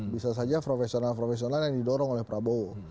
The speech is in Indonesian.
bisa saja profesional profesional yang didorong oleh prabowo